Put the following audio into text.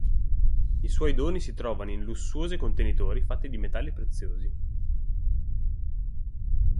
I suoi doni si trovano in lussuosi contenitori fatti di metalli preziosi.